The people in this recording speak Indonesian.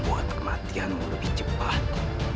buat kematianmu lebih cepat